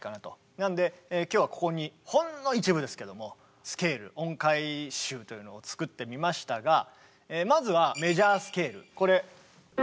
なので今日はここにほんの一部ですけどもスケール音階集というのを作ってみましたがまずはメジャースケール。